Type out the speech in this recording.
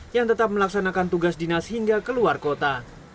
yang tetap melaksanakan tugas dinas hingga keluar kota